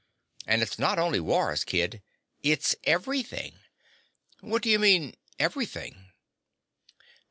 And it's not only wars, kid. It's everything." "What do you mean, everything?"